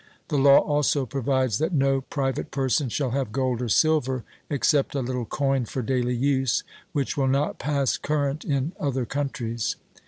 The law also provides that no private person shall have gold or silver, except a little coin for daily use, which will not pass current in other countries.